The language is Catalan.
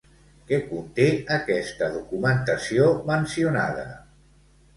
Què conté aquesta documentació mencionada?